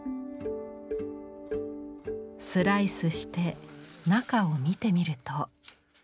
スライスして中を見てみると。